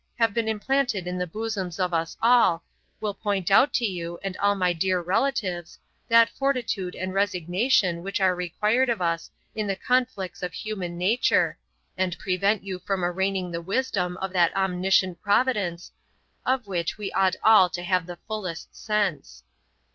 have been implanted in the bosoms of us all, will point out to you, and all my dear relatives, that fortitude and resignation which are required of us in the conflicts of human nature, and prevent you from arraigning the wisdom of that omniscient Providence, of which we ought all to have the fullest sense.